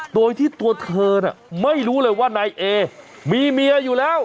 โดยที่ตัวเธอน่ะไม่รู้เลยว่านายเอมีเมียอยู่แล้ว